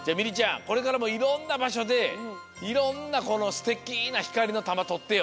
これからもいろんなばしょでいろんなこのすてきなひかりのたまとってよ！